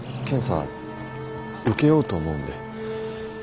検査受けようと思うんで。